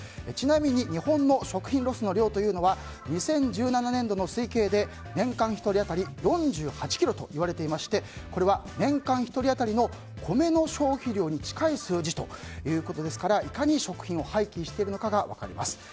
ちなみに日本の食品ロスの量というのは２０１７年度の推計で年間１人当たり４８ｋｇといわれていましてこれは年間１人当たりの米の消費量に近い数字ということですからいかに食品を廃棄しているかが分かります。